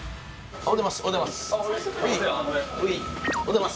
おはようございます。